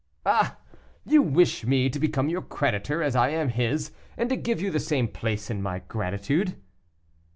"Ah! you wish me to become your creditor, as I am his, and to give you the same place in my gratitude."